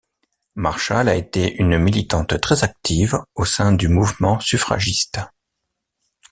Marshall a été une militante très active au sein du mouvement suffragiste.